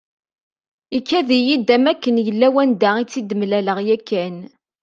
Ikad-iyi-d am akken yella wanda i tt-id-mlaleɣ yakan.